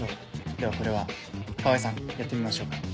ではこれは川合さんやってみましょうか。